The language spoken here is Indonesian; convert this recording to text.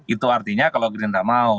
itu artinya kalau gerindra mau